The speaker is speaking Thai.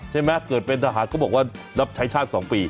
ใช่ไหมเกิดเป็นทหารก็บอกว่ารับใช้ชาติ๒ปี